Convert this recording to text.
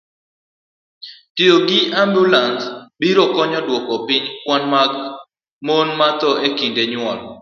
Tiyo gi ambulans biro konyo dwoko piny kwan mag mon mathoo e kinde nyuol.